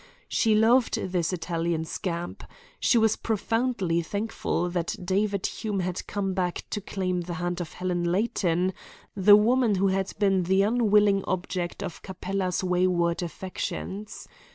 She loved this Italian scamp. She was profoundly thankful that David Hume had come back to claim the hand of Helen Layton, the woman who had been the unwilling object of Capella's wayward affections.